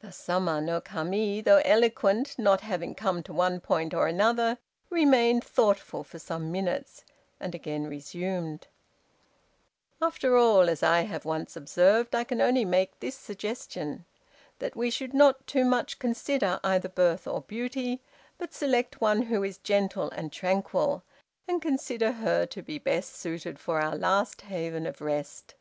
Thus Sama no Kami, though eloquent, not having come to one point or another, remained thoughtful for some minutes, and again resumed: "After all, as I have once observed, I can only make this suggestion: That we should not too much consider either birth or beauty, but select one who is gentle and tranquil, and consider her to be best suited for our last haven of rest.